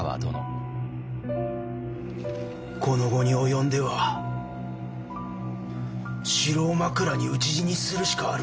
この期に及んでは城を枕に討ち死にするしかあるまい。